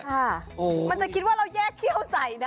มันจะคิดว่าเราแยกเขี้ยวใส่นะ